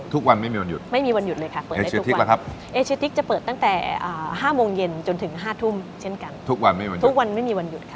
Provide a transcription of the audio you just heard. ทุกวันไม่มีวันหยุดค่ะทุกวันไม่มีวันหยุดค่ะ